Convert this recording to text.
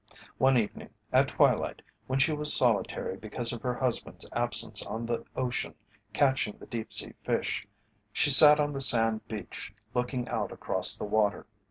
One evening at twilight when she was solitary because of her husband's absence on the ocean catching the deep sea fish, she sat on the sand beach looking out across the water.